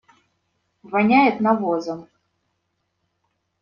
Воняет навозом.